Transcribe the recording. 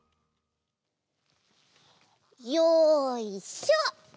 よいしょ！